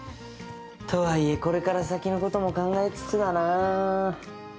とはいえこれから先のことも考えつつだなぁ。